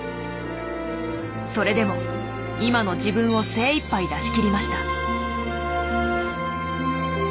それでも今の自分を精いっぱい出しきりました。